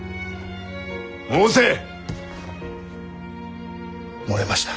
申せ！漏れました。